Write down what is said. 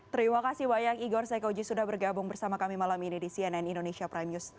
terima kasih banyak igor saikoji sudah bergabung bersama kami malam ini di cnn indonesia prime news